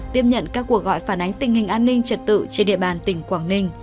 tiếp nhận các cuộc gọi phản ánh tình hình an ninh trật tự trên địa bàn tỉnh quảng ninh